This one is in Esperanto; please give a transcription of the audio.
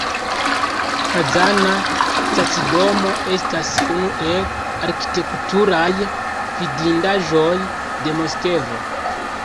Kazana stacidomo estas unu el arkitekturaj vidindaĵoj de Moskvo.